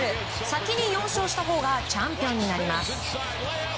先に４勝したほうがチャンピオンになります。